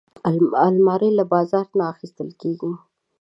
الماري له بازار نه اخیستل کېږي